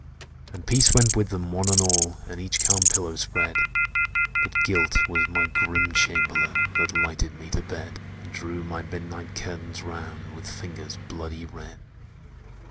"And peace went with them, one and all, And each calm pillow spread; But Guilt was my grim Chamberlain That lighted me to bed; And drew my midnight curtains round With fingers bloody red!